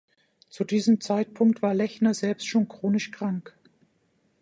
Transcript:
Zu diesem Zeitpunkt war Lechner selbst schon chronisch krank.